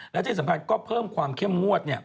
และที่สำคัญก็เพิ่มความเข้มงวด